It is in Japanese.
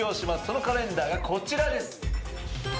そのカレンダーがこちらです。